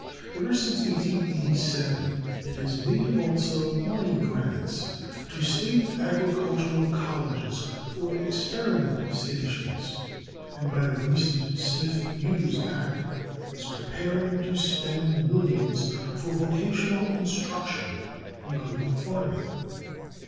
Ever since 1887 it has made also money grants to state agricultural colleges for experiment stations; and by the recent Smith Hughes act is preparing to spend millions for vocational instruction, including farming.